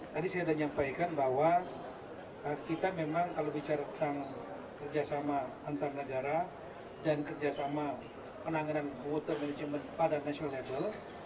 tadi saya sudah menyampaikan bahwa kita memang kalau bicara tentang kerjasama antar negara dan kerjasama penanganan water management pada national label